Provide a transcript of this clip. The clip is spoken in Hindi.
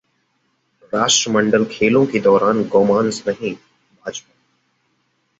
राष्ट्रमंडल खेलों के दौरान गोमांस नहीं: भाजपा